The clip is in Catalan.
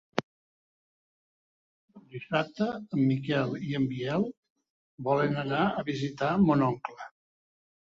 Dissabte en Miquel i en Biel volen anar a visitar mon oncle.